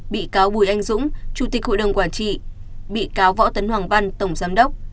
bị cáo bùi anh dũng chủ tịch hội đồng quản trị bị cáo võ tấn hoàng văn tổng giám đốc